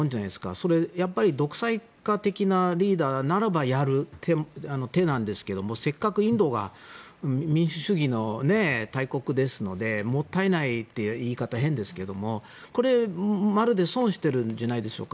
それは独裁家的なリーダーならばやる手なんですけどもせっかくインドは民主主義の大国ですのでもったいないという言い方は変ですけどまるで損してるんじゃないでしょうか。